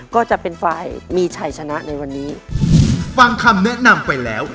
ก็จะเป็นฝ่ายมีชัยชนะในวันนี้ฟังคำแนะนำไปแล้ว